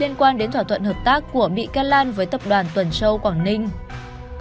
liên quan đến thỏa thuận hợp tác của bị can lan với tập đoàn tuần châu quảng ninh